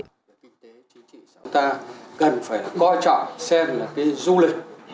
chúng ta cần phải coi trọng xem là cái du lịch